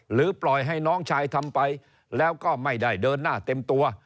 ปล่อยให้น้องชายทำไปแล้วก็ไม่ได้เดินหน้าเต็มตัว